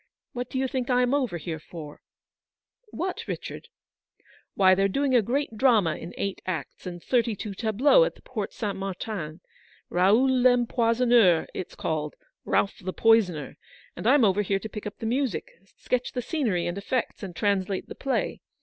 What do you think I am over here for ?"" What, Richard ?"" Why, they're doing a great drama in eight acts and thirty two tableaux at the Porte St. Martin; Raoul l'Empoisonneur it's called, Ralph the Poisoner ; and I'm over here to pick up the music, sketch the scenery and effects, and tran slate the play.